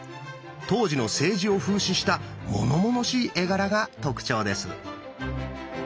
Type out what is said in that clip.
当時の政治を風刺したものものしい絵柄が特徴です。